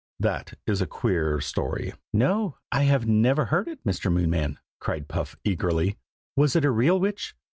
That is a queer story." "No, I have never heard it, Mr. Moonman!" cried Puff eagerly. "Was it a real witch?